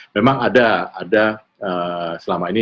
memang ada selama ini